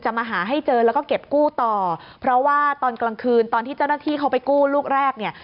มาหาให้เจอแล้วก็เก็บกู้ต่อเพราะว่าตอนกลางคืนตอนที่เจ้าหน้าที่เขาไปกู้ลูกแรกเนี่ย